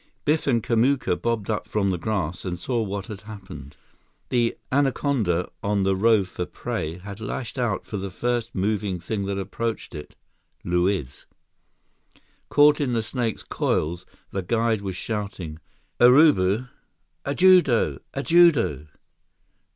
Biff and Kamuka bobbed up from the grass and saw what had happened. The anaconda, on the rove for prey, had lashed out for the first moving thing that approached it—Luiz. Caught in the snake's coils, the guide was shouting: "Urubu! _Ajudo! Ajudo!